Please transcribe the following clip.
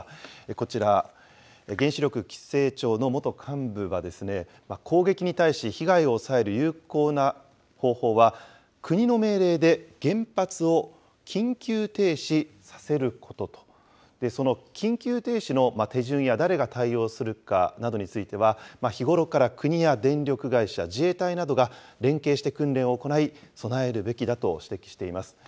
こちら、原子力規制庁の元幹部はですね、攻撃に対し、被害を抑える有効な方法は、国の命令で原発を緊急停止させることと、その緊急停止の手順や、誰が対応するかなどについては、日頃から国や電力会社、自衛隊などが連携して訓練を行い、備えるべきだと指摘しています。